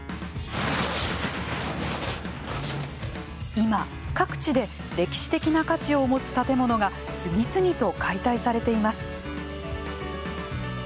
今、各地で歴史的な価値を持つ建物が次々と解体されています。